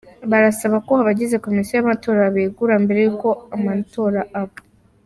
Barasaba ko abagize Komisiyo y’amatora begura mbere y’uko amatora aba.